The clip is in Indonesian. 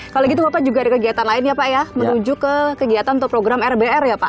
kalau gitu bapak juga ada kegiatan lain ya pak ya menuju ke kegiatan untuk program rbr ya pak